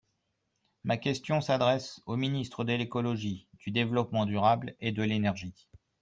Ma question s’adresse au Ministre de l’écologie, du développement durable et de l’énergie.